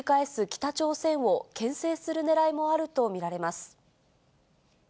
北朝鮮をけん制するねらいもあると見られます。